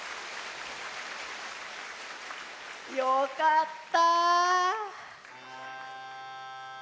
よかった。